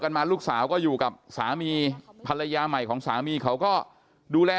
มาลูกสาวก็อยู่กับสามีภรรยาใหม่ของสามีเขาก็ดูแล